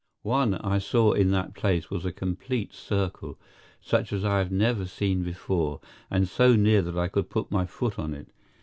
One I saw in that place was a complete circle, such as I have never seen before, and so near that I could put my foot on it.